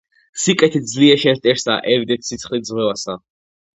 სიკეთით სძლიე შენს მტერსა, ერიდე ციცხლით ზღვევასა.